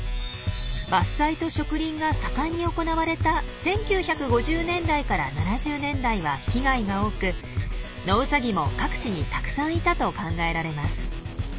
伐採と植林が盛んに行われた１９５０年代から７０年代は被害が多くノウサギも各地にたくさんいたと考えられます。